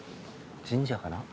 神社かな？